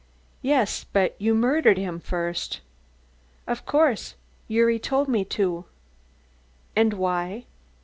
"Yes, but you murdered him first." "Of course, Gyuri told me to." "And why?"